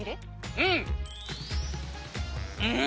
うん！